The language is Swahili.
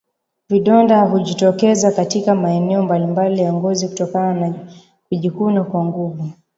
Vidonda hujitokeza katika maeneo mbalimbali ya ngozi kutokana na kujikuna kwa nguvu